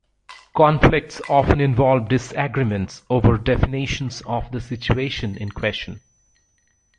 Conflicts often involve disagreements over definitions of the situation in question.